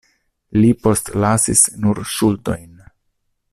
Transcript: Li postlasis nur ŝuldojn.